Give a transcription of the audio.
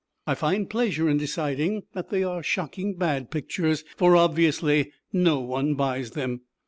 I find pleasure in deciding that they are shocking bad pictures, for obviously no one buys them.